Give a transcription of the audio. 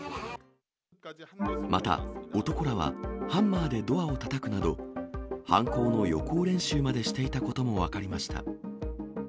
また男らは、ハンマーでドアをたたくなど、犯行の予行練習までしていたことも分かりました。